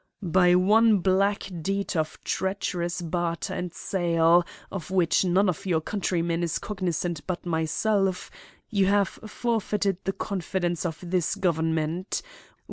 'By one black deed of treacherous barter and sale, of which none of your countrymen is cognizant but myself, you have forfeited the confidence of this government.